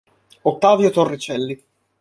Ottavio Torricelli